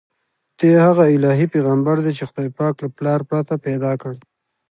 دی هغه الهي پیغمبر دی چې خدای پاک له پلار پرته پیدا کړ.